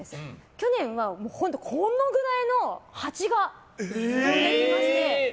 去年はこのぐらいのハチが飛んできまして。